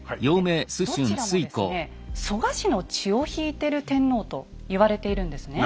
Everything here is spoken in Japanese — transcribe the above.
でどちらもですね蘇我氏の血を引いている天皇と言われているんですね。